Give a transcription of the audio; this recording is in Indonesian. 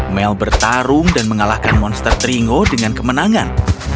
mel bertarung dan mengalahkan monster trino dengan kemenangan